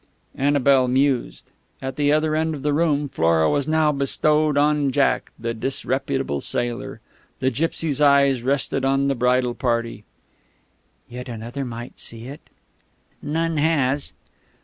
Annabel mused. At the other end of the room Flora was now bestowed on Jack, the disreputable sailor. The gipsy's eyes rested on the bridal party.... "Yet another might see it " "None has."